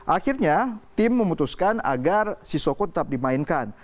akhirnya tim memutuskan agar sisoko tetap dimainkan